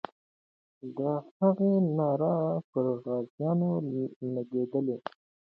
د هغې ناره پر غازیانو لګېدلې.